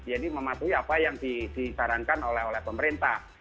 jadi mematuhi apa yang disarankan oleh oleh pemerintah